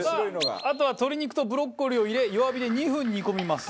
あとは鶏肉とブロッコリーを入れ弱火で２分煮込みます。